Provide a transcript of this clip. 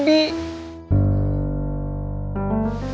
ini tuh bukan masalah bang robi